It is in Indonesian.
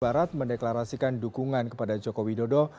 barat mendeklarasikan dukungan kepada joko widodo